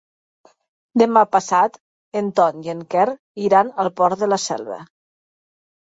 Demà passat en Ton i en Quer iran al Port de la Selva.